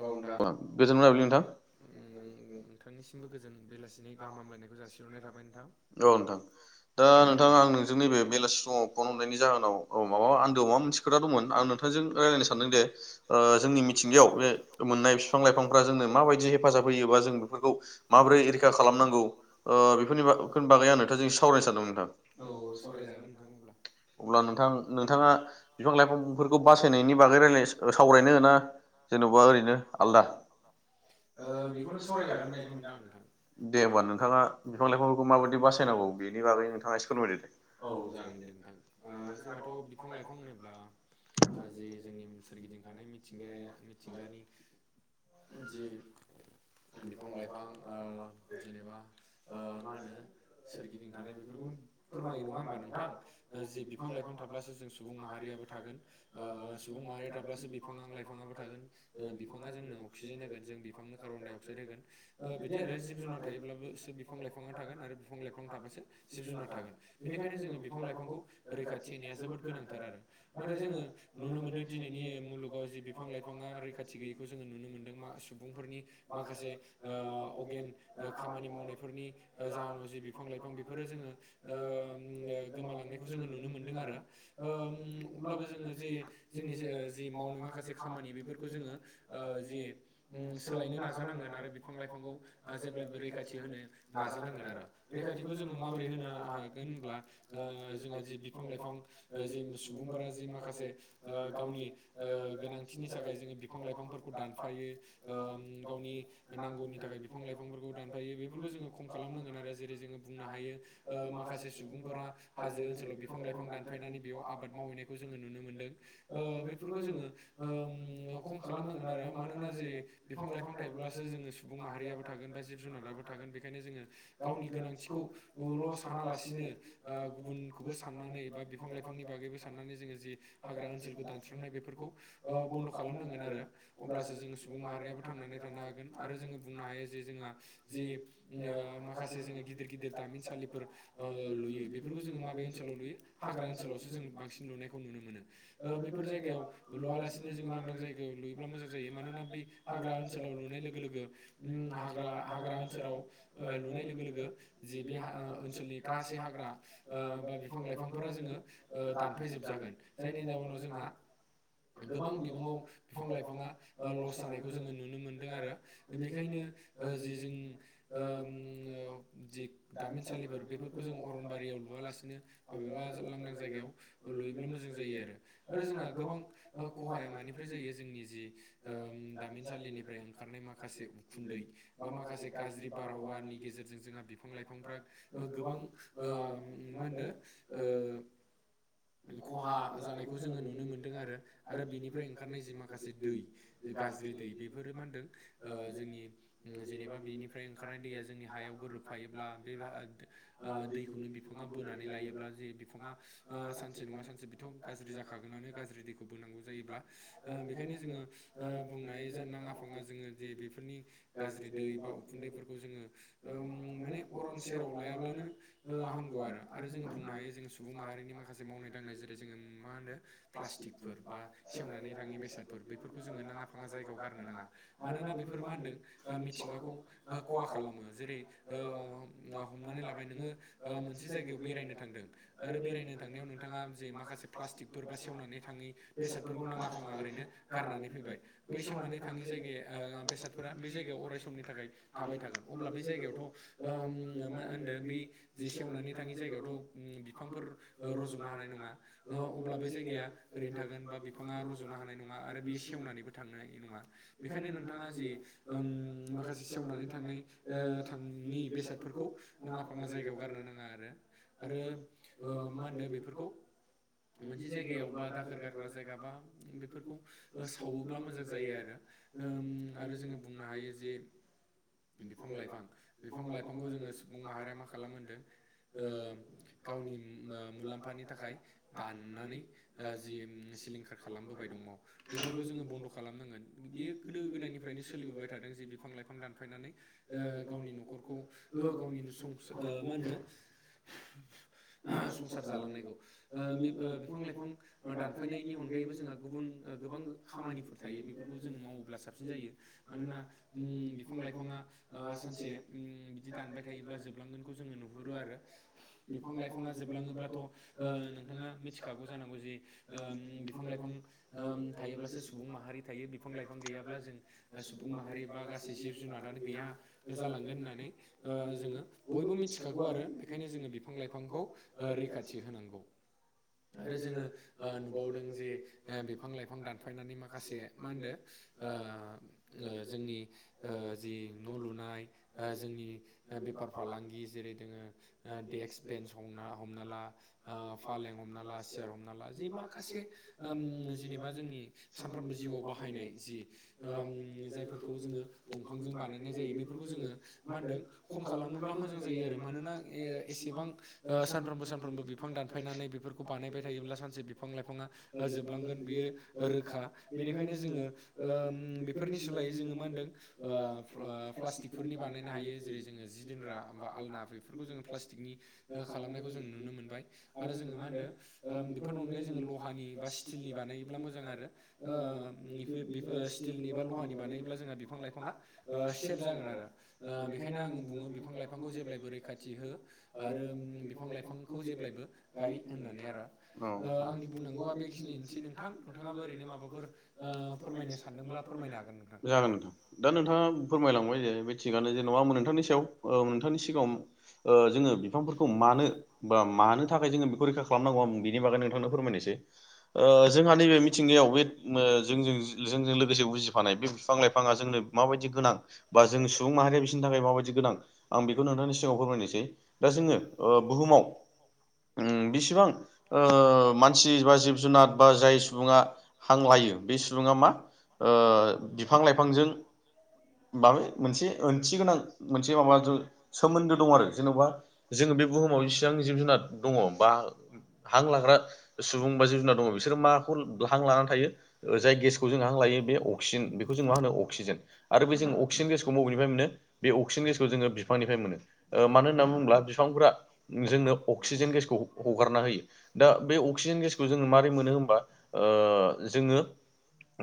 औ नोंथां। [unintelligible] नोंथांनिसिमबो गोजोन बेलासिनि गाहाम हामलायनायखौ जासिहरनाय थाबाय नोंथां। औ नोंथां दा नोंथां आं नोंजों नैबे बेलासि समाव फन हरनायनि जाहोनाव औ माबा आन्दोआव माबा मोनसे खोथा दंमोन आं नोंथांजों रायलायनो सानदों दे ओ जोंनि मिथिंगायाव बे मोननाय बिफां लाइफांफ्रा जोंनो माबायदि हेफाजाब होयोबा जों बेफोरखौ माब्रै रैखा खालामनांगौ ओ बेफोरनि बागै औ सावरायजागोन नोंथां अब्ला। अब्ला नोंथां नोंथाङा बिफां लाइफांफोरखौ बासायनायनि बागै रायलाय सावरायनो ना जेन'बा ओरैनो आलदा। दे होमबा नोंथाङा बिफां लाइफां औ जागोन दे नोंथां। ओ जोंहाथ' बिफां लाइफां होनोब्ला जे जोंनि सोरगिदिं थानाय मिथिंगाया मिथिंगानि जि बिफां लाइफां ओ जेनेबा ओ मा होनो सोरगिदिं थानाय बेफोरखौनो फोरमायो नङा होमबा नोंथां। ओ जि बिफां लाइफां थाब्लासो जों सुबुं माहारियाबो थागोन। ओ सुबुं माहारि थाब्लासो बिफां लाइफाङाबो थागोन। ओ बिफाङा जोंनो अक्सिजेन होगोन जों बिफांनो कार्बन डाइ अक्साइड होगोन। ओ बिदि आरो जिब जुनार थायोब्लाबोसो बिफां लाइफाङा थागोन आरो बिफां लाइफां थाबासो जिब जुनार थागोन, बेनिखायनो जोङो बिफां लाइफांखौ रैखाथि होनाया जोबोद गोनांथार आरो। नाथाय जोङो नुनो मोनदों दिनैनि मुलुग गाव जि बिफां-लाइफाङा रैखाथि गैयैखौ जोङो नुनो मोनदों मा सुबुंफोरनि माखासे ओ अगेन ओ खामानि मावनायफोरनि जाहोनाव जि बिफां- लाइफां बेफोरो जोङो ओ उम गोमालांनायखौ जोङो नुनो मोनदों आरो। ओ उम अब्लाबो जोङो जि जोंनि जे जि मावनाय माखासे खामानि बे बेफोरखौ जोङो ओ जे उम सोलायनो नाजानांगोन आरो बिफां-लाइफांखौ ओ जेब्लायबो रैखाथि होनो नाजानांगोन आरो रैखाथिखौ जोङो माबोरै होनो हागोन होनब्ला जोंहा जि बिफां लाइफां [unintelligible] सुबुंफोरा जि माखासे ओ गावनि गोनांथिनि थाखाय जोङो बिफां लाइफांफोरखौ ओ दानफायो गावनि नांगौनि थाखाय बिफां लाइफांफोरखौ दानफायो बेफोरखौ जोङो खम खालामनांगोन आरो जेरै जोङो बुंनो हायो माखासे सुबुंफोरा हाजो ओनसोलाव बिफां लाइफां दानफायनानै बेयाव आबाद मावहैनायखौ जोङो नुनो मोनदों बेफोरखौ जोङो खम खालामनांगोन आरो मानोना जेर बिफां लाइफां थायोब्लासो जोङो सुबुं माहारियाबो थागोन बा जिब जुनाराबो थागोन बेनिखायनो जोङो गावनि गोनांथिखौ ल' सानालासिनो ओ गुबुनखौबो साननानै बा बिफां लाइफांनि बागैबो साननानै जोङो जि हाग्रा ओनसोलखौ दानस्रांनाय बेफोरखौ बन्द' खालाम खालामनांगोन आरो अब्लासो जों सुबुं माहारियाबो थांनानै थानो हागोन आरो जोङो बुंनो हायो जे जोंहा जि ओ माखासे जोङो गिदिर गिदिर तामिनसालिफोर लुयो बेफोरखौ जोङो माबे ओनसोलाव लुयो हाग्रा ओनसोलावसो जों बांसिन लुनायखौ नुनो मोनो बेफोर जायगायाव लुवलासिनो ज लांदां जायगायाव लुयोब्ला मोजां जायो मानोना बेै हाग्रा ओनसोलाव लुनाय लोगो लोगो हाग्रा हाग्रा ओनसोलाव लुनाय लोगो लोगो जि बे ओनसोलनि गासै हाग्रा बा बिफां लाइफांफोरा जोङो दानफायजोबजागोन जायनि जाउनाव जोंहा गोबां बिबाङाव बिफां लाइफाङा लस जानायखौ जोङो नुनो मोनदों आरो बेखायनो जि जों ओ जि गामिनसालिफोर बेफोर खौ जों अरनबारियाव लुवलासिनो माबेबा लांदां जायगायाव लुयोब्ला मोजां जायो आरो आरो जोंहा गोबां खहाया मानिफ्राय जायो जोंनि जि दामिनसालिनिफ्राय ओंखारनाय माखासे उखुन्दै बा माखासे गाज्रि बारहावानि गेजेरजों जोंहा बिफां लाइफांफ्रा गोबां मा होनदो ओ खहा जानायखौ जोङो नुनो मोनदों आरो आरो बेनिफ्राय ओंखारनाय जि माखासे दै गाज्रि दै बेफोरो मा होनदों जोंनि जेनेबा बेनिफ्राय ओंखारनाय दैया जोंनि हायाव गोरोबफायोब्ला बे दैखौनो बिफाङा बोनानै लायोब्ला जे बिफाङा ओ सानसे नङा सानसे बिथ गाज्रि जाखागोननानै गाज्रि दैखौ बुंनांगौ जायोब्ला बेखायनो जोङो बुंनो हायो जा नाङा फाङा जोङो जे बेफोरनि गाज्रि दै बा उखुन्दैफोरखौ जोङो माने अरन सेराव लायाब्लानो हामगौ आरो जोङो बुंनो हायो जोङो सुबुं माहारिनि माखासे मावनाय दांनाय जेरै जोङो मा होनो प्लास्टिकफोर बा सेवनानै थाङि बेसादफोर बेफोरखौ जोङो नाङा फाङा जायगायाव गारनो नाङा मानोना बेफोरो मा होनदों मिथिंगाखौ खहा खालामो जेरै हमनानै लाबाय नोङो मोनसे जायगायाव बेरायनो थांदों आरो बेरायनो थांनायाव नोंथाङा जे माखासे प्लास्टिकफोर बा सेवनानै थाङि बेसादफोरखौ नाङा फाङा ओरैनो गारनानै फैबाय बै सावनानै थाङि जायगायाव बेसाद फोर बे जायगायाव अराय समनि थाखाय थाबाय थागोन अब्ला बे जायगायावथ' मा होनदो बे जे सेवनानै थाङि जायगायावथ' बिफांफोर रज'नो हानाय नङा अब्ला बे जायगाया ओरैनो थागोन बा बिफाङा रज'नो हानाय नंङा बेयो सेवनानैबो थां नङा बेनिखायनो नोंथाङा जि माखासे सेवनानै थांनाय ओ थाङि बेसादफोरखौ नाङा फाङा जायगायाव गारनो नाङा आरो आरो मा होनदो बेफोरखौ मोनसे जायगायावबा द जायगा बा बेफोरखौ सावोब्ला मोजां जायो आरो उम आरो जोङो बुंनो हायो जे बिफां लाइफां बिफां लाइफांखौ जोङो सुबुं माहारिया मा खालाम होनदों ओ गावनि उम ओ मुलाम्फानि थाखाय दाननानै ओ जि उम सिलिंखार खालामबोबाय दङ' बेफोरखौ जोङो बन्द' खालामनांगोन बियो गोदो गोदायनिफ्रायनो सोलिबोबाय थादों जे बिफां लाइफां दानफायनानै गावनि न'खरखौ ओ गावनि सं मा होनदो संसार जालांनायखौ बिफां लाइफां दानफायनायनि अनगायैबो जोंहा गुबुन गोबां खामानिफोर थायो बेफोरखौ जों मावोब्ला साबसिन जायो मानोना उम बिफां लाइफाङा आ सानसे उम बिदि दानबाय थायोब्ला जोबलांगोनखौ जोङो नुहुरो आरो। बिफां लाइफाङा जोबलाङोब्लाथ' ओ नोंथाङा मिथिखागौ जानांगौ जे ओम बिफां लाइफां ओम थायोब्लासो सुबुं माहारि थायो बिफां लाइफां गैयाब्ला जों सुबुं माहारि बा गासै जिब जुनारानो गैया जालांगोन होननानै ओ जोङो बयबो मिथिखागौ आरो बेखायनो जोङो बिफां लाइफांखौ ओ रैखाथि होनांगौ। [unintelligible] जोङो ओ नुबावदों जे ओ बिफां लाइफां दानफायनानै माखासे मा होनदो ओ ओ जोंनि ए जि न' लुनाय ओ जोंनि ओ बेफार फालांगि जेरै दोङो ओ डेक्स बेन्स हमना हमना ला ओ फालें हमना ला सियार हमना ला जि माखासे ओम जेनेबा जोंनि सानफ्रोमबो जिउआव बाहायनाय जि ओम जायफोरखौ जोङो दंफांजों बानायनाय जायो बेफोरखौ जोङो मा होनदों खम खालामोब्ला मोजां जायो आरो मानोना ए-एसेबां ओ सानफ्रोमबो सानफ्रोमबो बिफां दानफायनानै बेफोरखौ बानायबाय थायोब्ला सानसे बि फां लाइफाङा ओ जोबलांगोन बियो रोखा बेनिखायनो जोङो ओम बेफोरनि सोलायै जोङो मा होनदों ओ ओ प्लास्टिकफोरनि बानायनो हायो जेरै जोङो जि दोनग्रा बा आलना बेफोरखौ जोङो प्लास्टिकनि खालामनायखौ जों नुनो मोनबाय आरो जोङो मा होनदो ओ बेफोरनि अनगायै जोङो लहानि बा स्टिलनि बानायोब्ला मोजां आरो ओ बि-बिफो-स्टिलनि बा लहानि बानायोब्ला जोंहा बिफां लाइफाङा ओ सेभ जागोन आरो। ओ बेखायनो आं बुङो बिफां लाइफांखौ जेब्लायबो रैखाथि आरो बिफां लाइफांखौ जेब्लायबो गाय होननानै आरो। ओ आंनि बुंनांगौवा बेखिनियैनोसै नोंथां नोंथाङाबो ओरैनो माबाफोर ओ फोरमायनो सानदोंब्ला फोरमायनो हागोन नोंथां। [unintelligible] नि बैगै नोंथांनो फोरमायनोसै ओ जोंहा नैबे मिथिंगायाव बे ओ जोंजों जोंजों लोगोसे उजिफानाय बे बिफां लाइफाङा जोंनो माबायदि गोनां बा जों सुबुं माहारिया बिसोरनि थाखाय माबायदि गोनां आं बेखौ नोंथांनि सिगाङाव फोरमायनोसै। दा जोङो ओ बुहुमाव बेसेबां ओ मानसि बा जिब जुनार बा जाय सुबुङा हां लायो बे सुबुङा मा ओ बिफां लाइफांजों माबे मोनसे ओंथि गोनां मोनसे माबाजों सोमोन्दो दं आरो जेन'बा जोङो बे बुहुमाव इसिबां जिब जुनार दङ' बा हां लाग्रा सुबुं बा जिब जुनार दङ' बिसोरो माखौ हां लानानै थायो ओ जाय गेस जों हां लायो बे अक्सिजेन बेखौ जों मा होनो अक्सिजेन आरो बे जों अक्सिजेन गेसखौ बबेनिफ्राय मोनो बे अक्सिजेन गेसखौ जोङो बिफांनिफ्राय मोनो ओ मानो होनना बुङोब्ला बिफांफ्रा जोंनो अक्सिजेन गेसखौ हगारना होयो दा बे अक्सिजेन गेसखौ जोङो मारै मोनो होनबा ओ जोङो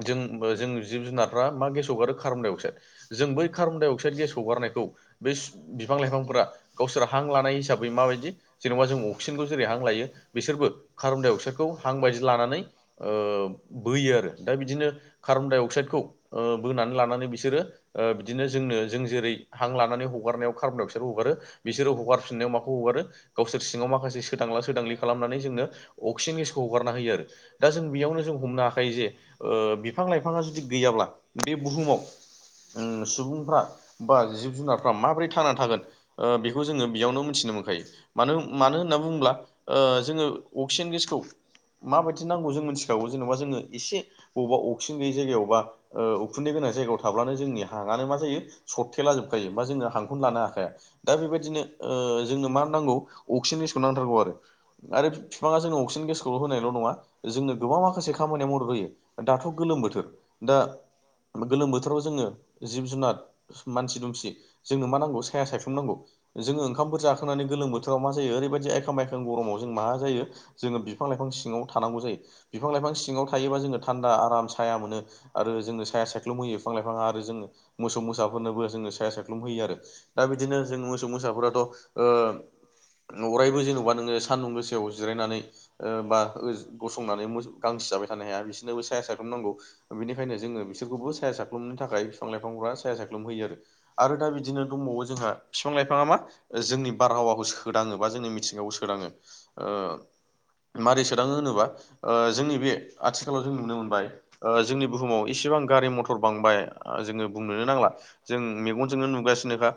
जों जों जिब जुनारफ्रा मा गेस हगो कार्बन डाइ अक्साइड, जों बै कार्बनडाइ अक्साइड गेस हगारनायखौ बे बिफां लाइफांफ्रा गावसोर हां लानाय हिसाबै माबायदि जेन'बा जों अक्सिजेनखौ जेरै हां लायो बिसोरबो कार्बन डाइ अक्साइडखौ हां बायदि लानानै ओ बोयो आरो। बिदिनो कार्बन डाइ अक्साइडखौ ओ बोनानै लानानै बिसोरो ओ बिदिनो जोंनो जों जेरै हां लानानै हगारनायाव कार्बन डाइ अक्साइडखौ हगारो बिसोरो हगारफिननायाव माखौ हगारो गावसोर सिङाव मा सदांला सदांलि खालामनानै जोंनो अक्सिजेन गेसखौ हगारना होयोआरो दा जों बेयावनो जों हमनो हाखायो जे ओ बिफां लाइफाङा जुदि गैयाब्ला बे बुहुमाव उम सुबुंफ्रा बा जिब जुनारफ्रा माबोरै थांना थागोन ओ बेखौ जोङो बेयावनो मोनथिनो मोनखायो मानो मानो होनना बुङोब्ला ओ जोङो अक्सिजेन गेसखौ माबायदि नांगौ जों मिथिखागौ जेनेबा जोङो एसे अबा अक्सिजन गैयै जायगायाव बा उखुन्दै गोनां जायगायाव थाब्लानो जोंनि हाङानो मा जायो सरथेला जोबखायो बा जोंनो हांखौनो लानो हाखाया दा बेबायदिनो ओ जोंनो मा नांगौ अक्सिजने गेसखौ नांथारगौआरो आरो बिफाङा जोंनो अक्सिजेन गेसखौल' होनायल' नङा जोंनो गोबां माखासे खामानिया मदद होयो दाथ' गोलोम बोथोर [inaudible] गोलोम बोथोराव जोङो जिब जुनार मानसि दुमसि जोंनो मा नांगौ साया सायस्लुमनांगौ जोङो ओंखामफोर जाखांनानै गोलोमोथोराव मा जायो ओरैबायदि आखां बायख जों गरमाव जों मा जायो जोङो बिफां लाइफां सिङाव थानांगौ जायो बिफां लाइफां सिङाव थायोबा जोङो आराम साया मोनो आरो जोंङनो साया सायख्लुम होयो फां लाइफाङा आरो जोङो मोसौ मोसाफोरनोबो जोङो साया सायख्लुम होयो आरो दा बिदिनो जों मोसौ मोसाफोराथ' अरायबो जेन'बा नोङो सान्दुं गोसायाव जिरायनानै ओ बा गसंनानै गांसो जाबाय थानो हाया बिसोर नोबो सायसा सायख्लोम नांगौ बेनिखायनो जोङो बिसोरखौबो साया सायख्लुमनि थाखाय बिफां लाइफांफ्रा साया साख्लुम होयो आरो आरो दा बिदिनो दंबावो जोंहा बिफां लाइफाङा मा जोंनि बारहावाखौ सोदाङो बा जोंनि मिथिंगाखौ सोदाङो ओ मारै सोदाङो होनोबा जोंनि बे आथि खालाव जों नुनो मोनबाय जोंनि बुहुमाव इसेबां गारि मथर बांबाय जोङो बुंनोनो नांला जों मेगनजोंनो नुगासिनोखा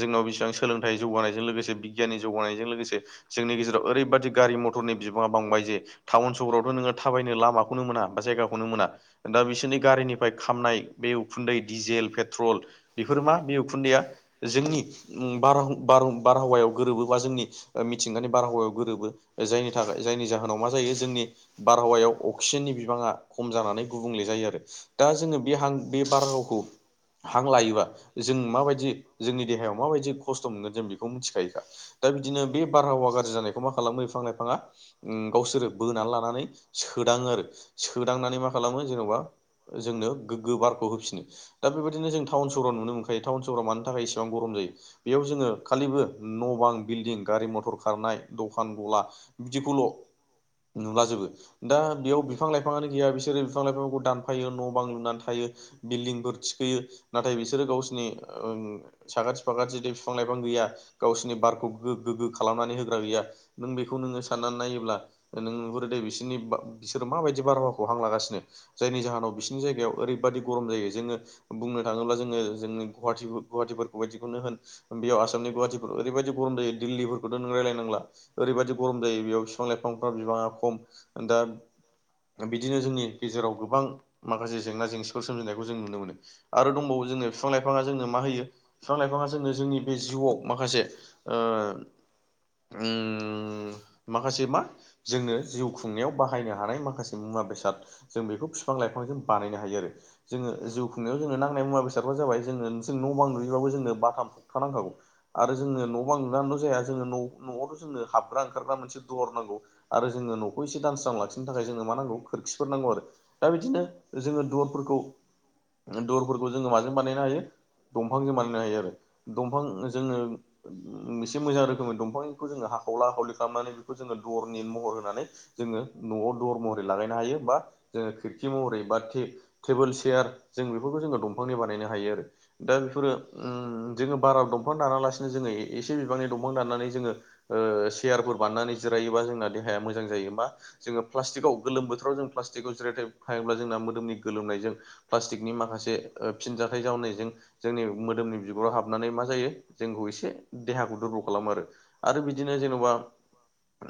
जोंनाव बेसेबां सोलोंथाइ जौगानायजों लोगोसे बिगियाननि जौगानाय जों लोगोसे जोंनि गेजेराव ओरैबायदि गारि मथरनि बिबाङा बांबाय जे टाउन सहरावथ' नोङो थाबायनो लामा खौनो मोना बा जायगाखौनो मोना दा बिसोरनि गारिनिफ्राय खामनाय बे उखुन्दै, डिजेल, पेट्रल बेफोरो मा बे उखुन्दैया जोंनि उम बार-बार-बारहावायाव गोरोबो बा जोंनि ओमिथिंगानि बारहावायाव गोरोबो जायनि थाखाय जायनि जाहोनाव मा जायो जोंनि बारहावायाव अ क्सिजेननि बिबाङा खम जानानै गुबुंले जायोआरो दा जोङो बे हां बे बारहावाखौ हां लायोबा जों माबायदि जोंनि देहायाव माबायदि खस्थ' मोनगोन जों बेखौ मिथिखायोखा दा बिदिनो बे बारहावा गाज्रि जानायखौ मा खालामो बिफां लाइफाङा उम गावसोरो बोनानै लानानै सोदाङो आरो सोदांनानै मा खालामो जेन'बा जोंनो गोगो बारखौ होफिनो दा बेबायदिनो जों टाउन सहराव नुनो मोनखायो टाउन सहराव मानि थाखाय इसेबां गरम जायो बेयाव जोङो खालिबो न' बां, बिल्डिं, गारि, मथर खारनाय दखान गला बिदिखौल' नुलाजोबो दा बेयाव बिफां लाइफाङानो गैया बिसोरो बिफां लाइफांखौ दानफायो न' बां लुनानै थायो बिल्दिंफोर थिखोयो नाथाय बिसोरो गावसोरनि साखाथि फाखाथि जुदि बिफां लाइफां गैया गावसोरनि बारखौ गो-गोगो खालामनानै होग्रा गैया नों बेखौ नोङो साननानै नायोब्ला नों नुहरो दे बिसोरनि बा बिसोरो माबायदि बारहावाखौ हांलागासिनो जायनि जाहोनाव बिसोरनि जायगायाव ओरैबायदि गरम जायो जोङो बुंनो थाङोब्ला जोङो जोंनि गुवाहाटि गुवाहाटिफोर बादिखौनो होन बेयाव आसामनि गुवाटिफोर ओरैबायदि गरम जायो दिल्लीफोरखौथ' नों रायल्लायनांला ओरैबायदि गरम जायो बेयाव बिफां लाइफांफ्रा बिबाङा खम दा बिदिनो जोंनि गेजेराव गोबां माखासे जेंना जेंसिफोर सोमजिनायखौ जों नुनो मोनो आरो दंबावो जोङो बिफां लाइफाङा जोंनो मा होयो? बिफां लाइफाङा जोंनो जोंनि बे जिउआव माखासे ओ ओम माखासे मा जोंङो जिउ खुंनायाव बाहायनो हानाय माखासे मुवा बेसाद जों बेखौ फिफां लाइफांजों बानायनो हायोआरो जोङो जिउ खुंनायाव जोंनो नांनाय मुवा बेसादफोरा जाबाय जोङो न' बां लुयोबाबो जोंनो बाटाम थानांगौ। आरो जोङो न' बां लुनानैल' जाया जोङो न' न'आवथ' जोङो हाबग्रा ओंखारग्रा मोनसे दर नांगौ आरो जोङो न'खौ इसे दानस्रां लाखिनो थाखाय जोंनो मा नांगौ? खोरखिफोर नांगौ आरो दा बिदिनो जोङो दरफोरखौ दरफोरखौ जोङो माजों बानायनो हायो दंफांजों बानायनो हायो आरो। दंफां जोङो एसे मोजां रोखोमनि दंफांखौ जोङो हाखावला हाखावलि खालामनानै बेखौ जोङो दरनि महर होनानै जोङो न'आव दर मर लागायनो हायो बा जोङो खिरखि महरै बा टे-टेबोल, चेयार जों बेफोरखौ जोङो दंफांनि बानायनो हायो आरो। दा बेफोरो ओम जोङो बारा दंफां दानालासिनो जोङो एसे बिबांनि दंफां दाननानै जोङो ओ सेयारफोर बाननानै जिरायोबा जोंना देहाया मोजां जायो बा जोङो प्लास्टिकआव गोलोम बोथोराव जों प्लास्टिकाव जिरायना थायोब्ला जोंना मोदोमनि गोलोमनायजों प्लास्टिकनि माखासे ओ फिनजाथाइ जावननायजों जोंनि मोदोमनि बिगुराव हाबनानै मा जायो, जोंखौ एसे देहाखौ दुरबल खालामो आरो। आरो बिदिनो जेन'बा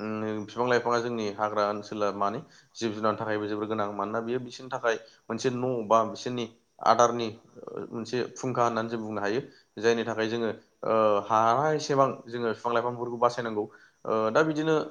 उम बिफां लाइफाङा जोंनि हाग्रा ओनसोला मानि जिब जुनारनि थाखायबो जोबोर गोनां मानोना बियो बिसोरनि थाखाय मोनसे न' बा बिसोरनि आदारनि ओ मोनसे फुंखा होननानै जों बुंनो हायो, जायनि थाखाय जोङो ओ हा बा एसेबां जोङो बिफां लाइफांफोरखौ बासायनांगौ। ओ दा बिदिनो